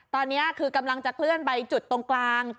ตอนนี้คือกำลังจะเคลื่อนไปจุดตรงกลาง